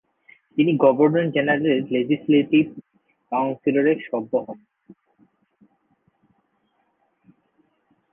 তিনি গভর্নর জেনারেলের লেজিসলেটিভ কাউন্সিলের সভ্য হন।